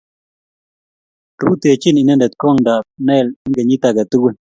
rutechini inendet kongtab Nile eng' kenyit age tugul.